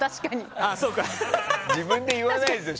自分で言わないでしょ